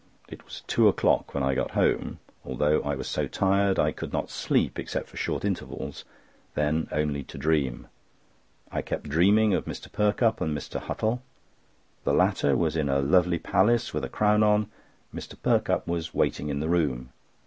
It was two o'clock when I got home. Although I was so tired, I could not sleep except for short intervals—then only to dream. I kept dreaming of Mr. Perkupp and Mr. Huttle. The latter was in a lovely palace with a crown on. Mr. Perkupp was waiting in the room.